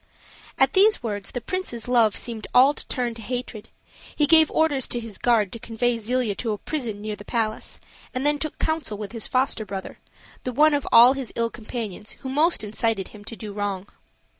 At these words the prince's love seemed all to turn to hatred: he gave orders to his guards to convey Zelia to a prison near the palace, and then took counsel with his foster brother, the one of all his ill companions who most incited him to do wrong.